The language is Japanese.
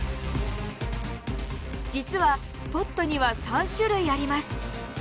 実はポットには３種類あります。